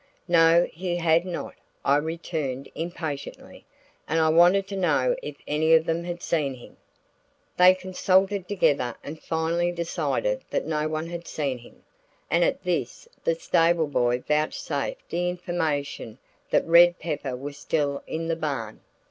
No, he had not, I returned impatiently, and I wanted to know if any of them had seen him. They consulted together and finally decided that no one had seen him, and at this the stable boy vouchsafed the information that Red Pepper was still in the barn.